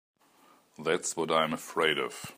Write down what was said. That's what I'm afraid of.